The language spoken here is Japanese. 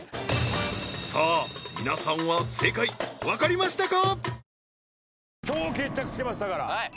さあ皆さんは正解わかりましたか？